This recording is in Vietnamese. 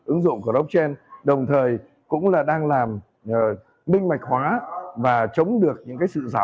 ứng dụng của blockchain đồng thời cũng là đang làm minh mạch hóa và chống được những cái sự giả